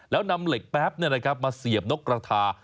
แล้วนำเหล็กแป๊บมาเสียบนกกระทา